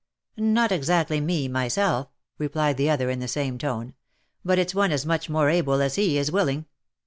" Not exactly me, myself," replied the other in the same tone, " but it's one as much more able as he is willing.